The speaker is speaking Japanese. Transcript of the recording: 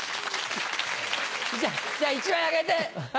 じゃ１枚あげて。